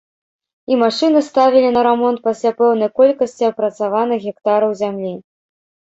І машыны ставілі на рамонт пасля пэўнай колькасці апрацаваных гектараў зямлі.